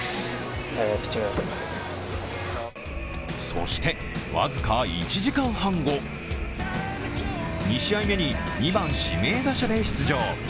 そして僅か１時間半後、２試合目に２番・指名打者で出場。